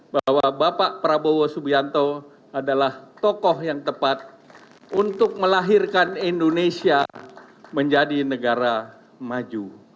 bahwa bapak prabowo subianto adalah tokoh yang tepat untuk melahirkan indonesia menjadi negara maju